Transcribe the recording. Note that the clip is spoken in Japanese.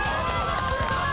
すごい。